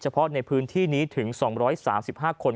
เพาะในพื้นที่นี้ถึง๒๓๕คน